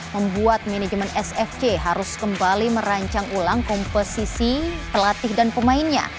membuat manajemen sfc harus kembali merancang ulang komposisi pelatih dan pemainnya